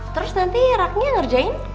terus nanti raknya ngerjain